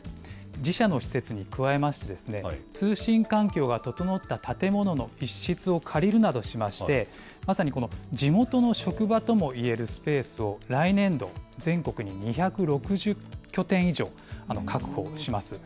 自社の施設に加えまして、通信環境が整った建物の一室を借りるなどしまして、まさにこの地元の職場ともいえるスペースを来年度、全国に２６０拠点以上確保します。